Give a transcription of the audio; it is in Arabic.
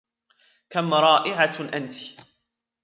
كم رائعة أنتِ!